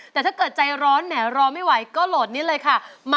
แต่ถ้าเกิดใจร้อนแหมรอไม่ไหวก็โหลดนี้เลยค่ะ